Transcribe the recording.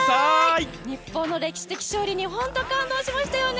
日本の歴史的勝利に本当に感動しましたよね。